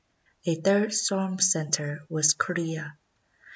A third storm center was Corea.